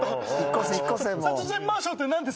殺人マンションって何ですか？